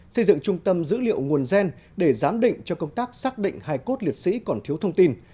xây dựng trung tâm dữ liệu nguồn gen để giám định cho công tác xác định hài cốt liệt sĩ còn thiếu thông tin